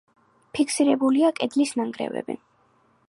ფიქსირებულია კედლის ნანგრევები.